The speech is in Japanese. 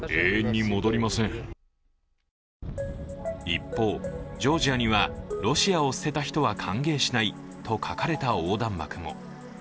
一方、ジョージアには「ロシアを捨てた人は歓迎しない」と書かれた横断幕も。